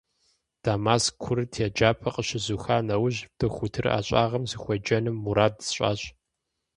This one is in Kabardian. Дамаск курыт еджапӀэр къыщызуха нэужь, дохутыр ӀэщӀагъэм сыхуеджэну мурад сщӀащ.